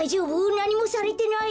なにもされてない？